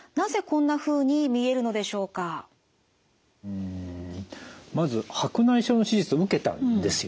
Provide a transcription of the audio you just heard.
続いてまず白内障の手術を受けたんですよね。